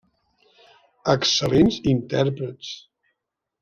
Excel·lents intèrprets.